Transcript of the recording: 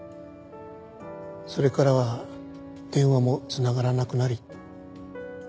それからは電話も繋がらなくなり